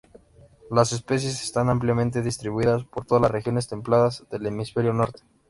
Las especies están ampliamente distribuidas por todas las regiones templadas del hemisferio norte.